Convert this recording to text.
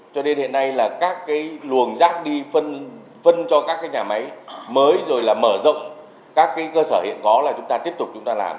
cho nên hiện nay là các cái luồng rác đi phân cho các cái nhà máy mới rồi là mở rộng các cái cơ sở hiện có là chúng ta tiếp tục chúng ta làm